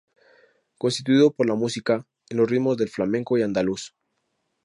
Constituido por la música, en los ritmos del flamenco y andaluz.